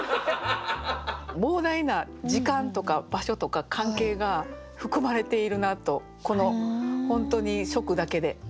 膨大な時間とか場所とか関係が含まれているなとこの本当に初句だけで。